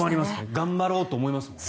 頑張ろうと思いますもんね。